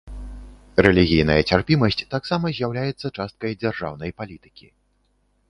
Рэлігійная цярпімасць таксама з'яўляецца часткай дзяржаўнай палітыкі.